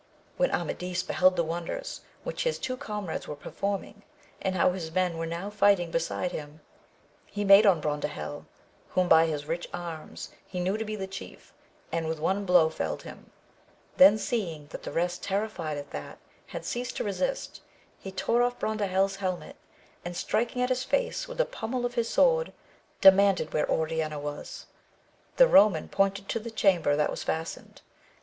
When Amadis beheld the wonders which his two comrades were performing, and how his men were now fighting beside him, he made at Brondajel, whom by his rich arms, he knew to be the chief, and with one blow felled him : then seeing that the rest terrified at that, had ceased to resist, he tore off Brondajel's hel met, and striking at hi^ face with the pummel of his sword, demanded where Oriana was; the Eoman pointed to the chamber that was fastened.